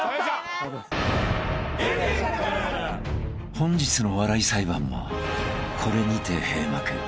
［本日のお笑い裁判もこれにて閉幕］